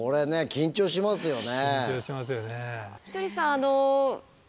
緊張しますよね。